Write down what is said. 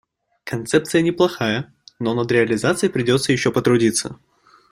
Концепция неплохая, но над реализацией придётся ещё потрудиться.